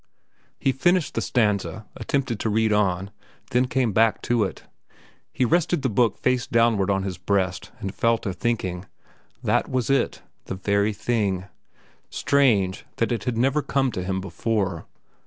He finished the stanza, attempted to read on, then came back to it. He rested the book face downward on his breast and fell to thinking. That was it. The very thing. Strange that it had never come to him before.